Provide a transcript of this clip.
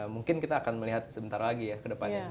mungkin kita akan melihat sebentar lagi ya kedepannya